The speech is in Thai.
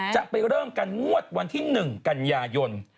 จะไปเริ่มกันงวดวันที่๑กันยายน